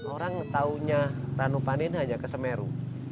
orang taunya ranupani ini hanya ke semeru